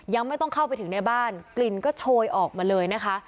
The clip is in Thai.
ยังไม่ต้องเข้าไปถึงในบ้านกลิ่นก็โชยออกมาเลยนะคะ